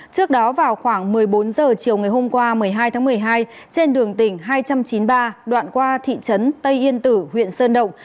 trước đó vào khoảng một mươi bốn h chiều ngày hôm qua một mươi hai tháng một mươi hai trên đường tỉnh hai trăm chín mươi ba đoạn qua thị trấn tây yên tử huyện sơn động